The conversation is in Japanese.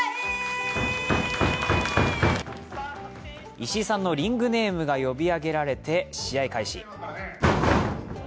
石井さんのリングネームが呼び上げられて試合開始。